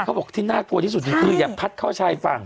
เขาบอกที่น่ากลัวที่สุดคืออย่าพัดเข้าชายฝั่ง